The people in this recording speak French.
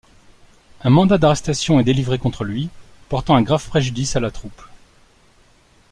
Un mandat d'arrestation est délivré contre lui, portant un grave préjudice à la troupe.